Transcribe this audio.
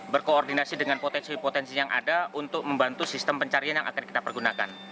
berkoordinasi dengan potensi potensi yang ada untuk membantu sistem pencarian yang akan kita pergunakan